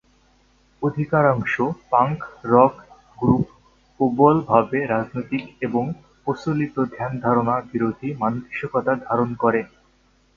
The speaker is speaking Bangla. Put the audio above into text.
অধিকাংশ পাঙ্ক রক গ্রুপ প্রবল ভাবে রাজনৈতিক এবং প্রচলিত ধ্যান-ধারণা বিরোধী মানসিকতা ধারণ করে।